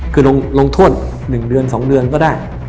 คือลงโทษ๑เดือน๒เดือนก็ได้